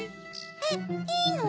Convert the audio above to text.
えっいいの？